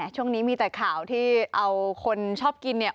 ช่วงนี้มีแต่ข่าวที่เอาคนชอบกินเนี่ย